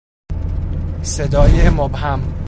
صدای مبهم